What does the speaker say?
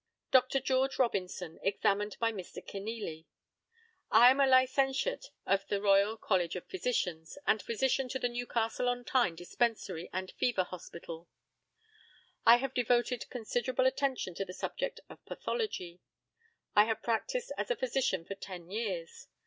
Dr. GEORGE ROBINSON, examined by Mr. KENEALY: I am a licentiate of the Royal College of Physicians, and Physician to the Newcastle on Tyne Dispensary and Fever Hospital. I have devoted considerable attention to the subject of pathology. I have practised as a physician for ten years.